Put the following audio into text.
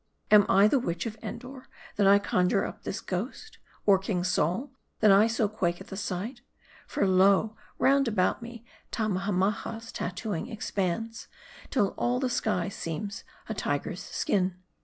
Am I the witch of Endor, that I conjure up this ghost ? Or, King Saul, that I so quake at the sight ? For, lo ! roundabout me Tammahammaha's tattooing ex pands, till all the sky seems a tiger's skin.